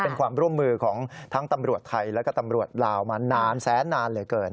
เป็นความร่วมมือของทั้งตำรวจไทยแล้วก็ตำรวจลาวมานานแสนนานเหลือเกิน